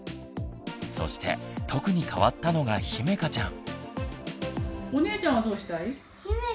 そして特に変わったのがひめかちゃん。